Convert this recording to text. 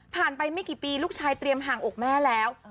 ไปไม่กี่ปีลูกชายเตรียมห่างอกแม่แล้ว